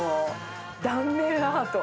断面アート。